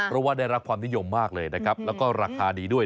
เพราะว่าได้รับความนิยมมากเลยนะครับแล้วก็ราคาดีด้วย